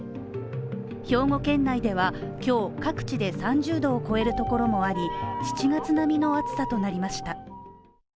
兵庫県内では今日、各地で３０度を超えるところもあり、７月並みの暑さとなりました。